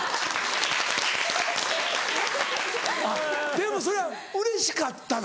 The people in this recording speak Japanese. でもそれはうれしかったの？